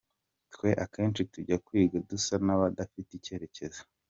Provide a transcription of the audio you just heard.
Twe akenshi tujya kwiga dusa n’abadafite icyerekezo.